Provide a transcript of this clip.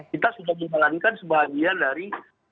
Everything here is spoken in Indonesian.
kita sudah menjalankan sebagian dari